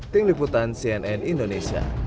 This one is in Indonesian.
ting liputan cnn indonesia